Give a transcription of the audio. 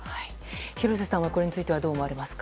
廣瀬さんはこれについてどう思いますか？